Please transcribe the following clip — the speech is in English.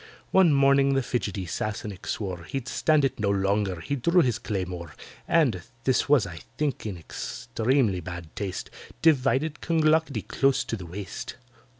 One morning the fidgety Sassenach swore He'd stand it no longer—he drew his claymore, And (this was, I think, in extremely bad taste) Divided CLONGLOCKETTY close to the waist.